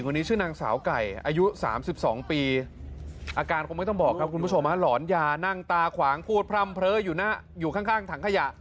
คุณผู้จัดมาหลอนยานั่งตาขวางพูดพร่ำเผลออยู่ข้างถังขยะ